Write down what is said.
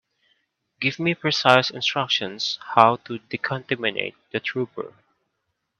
Give me precise instructions how to decontaminate the trooper.